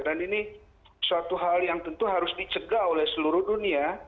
dan ini suatu hal yang tentu harus dicegah oleh seluruh dunia